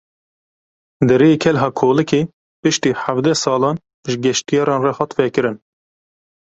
Deriyê Kelha Kolikê piştî hevdeh salan ji geştyaran re hat vekirin.